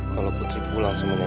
kalau putri pulang sama nenek